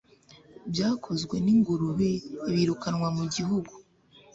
byakozwe; n'ingurube, birukanwa mu gihugu